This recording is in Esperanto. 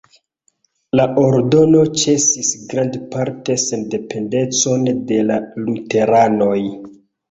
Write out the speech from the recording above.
La ordono ĉesis grandparte sendependecon de la luteranoj.